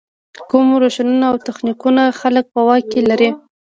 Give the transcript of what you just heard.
کوم روشونه او تخنیکونه خلک په واک کې لري.